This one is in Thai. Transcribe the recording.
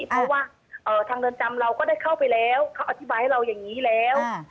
เพราะว่าทางเรือนจำเราก็ได้เข้าไปแล้วเขาอธิบายให้เราอย่างนี้แล้ว